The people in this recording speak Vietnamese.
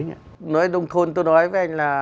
nói nông thôn tôi nói với anh là